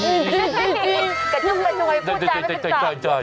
กระจุงได้โจยมันพูดใจไม่เป็นจับ